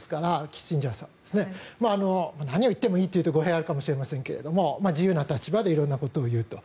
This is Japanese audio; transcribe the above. キッシンジャーさんは。何を言ってもいいというと語弊があるかもしれませんが自由な立場で色んなことを言うと。